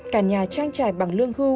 cả nhà trang trải bằng lương hưu